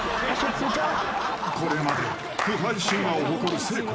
［これまで不敗神話を誇る誠子］